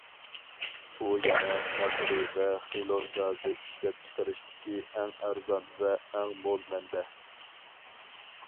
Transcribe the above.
ئۇ يەنە ناترىي ۋە خىلور گازى ئىشلەپچىقىرىشتىكى ئەڭ ئەرزان ۋە ئەڭ مول مەنبە.